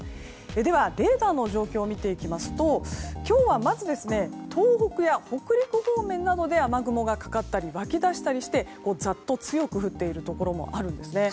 では、レーダーの状況を見ていきますと今日はまず、東北や北陸方面などで雨雲がかかったり湧き出したりしてざっと強く降っているところもあるんです。